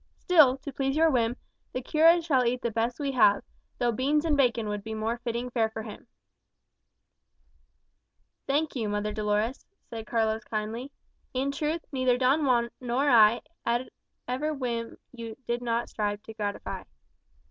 Still, to please your whim, the cura shall eat the best we have, though beans and bacon would be more fitting fare for him." "Thank you, mother Dolores," said Carlos kindly. "In truth, neither Don Juan nor I had ever whim yet you did not strive to gratify."